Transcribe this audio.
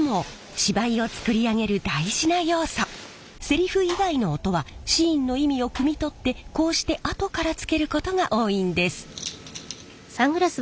セリフ以外の音はシーンの意味をくみ取ってこうしてあとからつけることが多いんです。